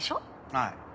はい。